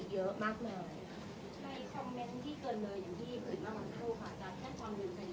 อีกเยอะมากมายได้เค้าท้อค่ะ